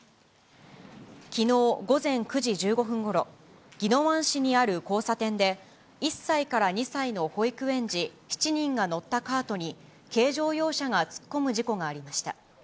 きのう午前９時１５分ごろ、宜野湾市にある交差点で、１歳から２歳の保育園児７人が乗ったカートに軽乗用車が突っ込む事故がありました。